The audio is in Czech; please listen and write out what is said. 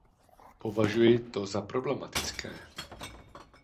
Považuji to za problematické.